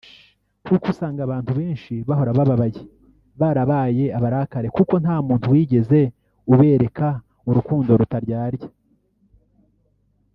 kuko usanga abantu benshi bahora bababaye (barabaye abarakare) kuko nta muntu wigeze ubereka urukundo rutaryarya